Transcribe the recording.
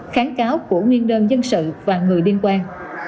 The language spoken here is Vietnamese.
kháng cáo của nguyên đơn dân sự và người liên quan